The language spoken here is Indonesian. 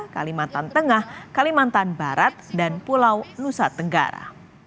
kalimantan tengah kalimantan barat dan pulau nusa tenggara